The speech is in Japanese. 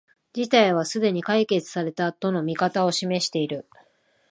事態はすでに解決された、との見方を示している